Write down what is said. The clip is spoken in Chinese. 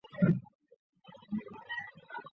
卵叶花佩菊为菊科花佩菊属下的一个种。